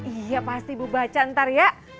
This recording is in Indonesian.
iya pasti bu baca ntar ya